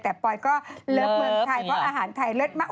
แต่ปอยก็เลิฟเมืองไทยเพราะอาหารไทยเลิศมาก